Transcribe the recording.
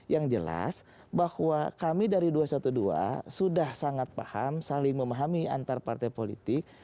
yang jelas bahwa kami dari dua ratus dua belas sudah sangat paham saling memahami antar partai politik